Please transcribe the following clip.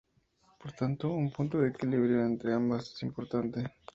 Por tanto, un punto de equilibrio entre ambas es importante.